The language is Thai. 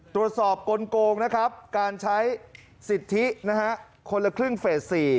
กลงนะครับการใช้สิทธิคนละครึ่งเฟส๔